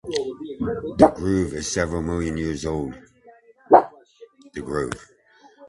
The grove is several million years old.